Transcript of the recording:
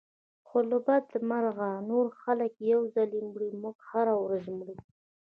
خو له بده مرغه که نور خلک یو ځل مري موږ هره ورځ مرو.